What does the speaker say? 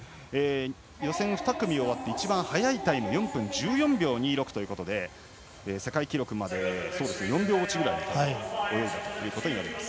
予選２組終わって一番速いタイムが４分１４秒２６で世界記録まで４秒落ちぐらいのところで泳いだということになります。